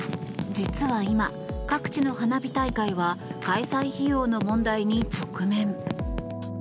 実は今、各地の花火大会は開催費用の問題に直面。